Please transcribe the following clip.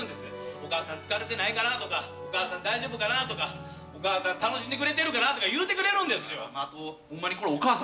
お母さん、疲れてないかなとか、お母さん、大丈夫かなとか、お母さん、楽しんでくれてるかなとか言うてくれるんですよ。